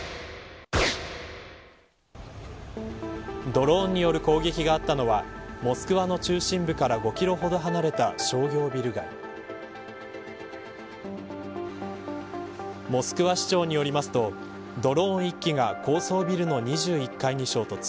ドローンによる攻撃があったのはモスクワの中心部から５キロほど離れた商業ビル街モスクワ市長によりますとドローン１機が高層ビルの２１階に衝突。